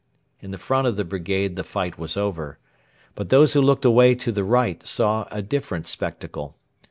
In the front of the brigade the fight was over. But those who looked away to the right saw a different spectacle.